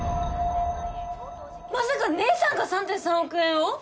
まさか姐さんが３．３億円を？